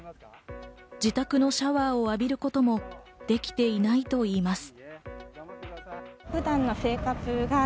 自宅のシャワーを浴びることもできていないと言います。